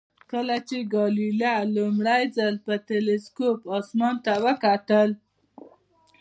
کله چې ګالیله لومړی ځل په تلسکوپ اسمان ته وکتل.